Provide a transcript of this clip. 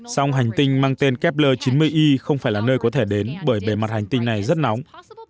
song hành tinh mang tên kepler chín mươi i không phải là nơi có thể đến bởi bề mặt hành tinh này rất nóng